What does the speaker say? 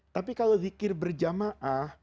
tapi kalau zikir berjamaah